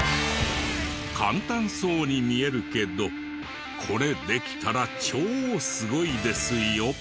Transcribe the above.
簡単そうに見えるけどこれできたら超すごいですよ。